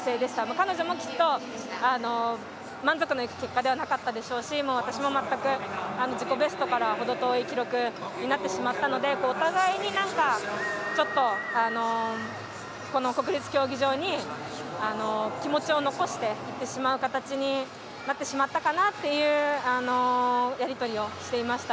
彼女もきっと満足のいく結果ではなかったでしょうし私も全く自己ベストからは程遠い記録になってしまったのでお互いにちょっと、国立競技場に気持ちを残していってしまう形になってしまったかなというやり取りをしていました。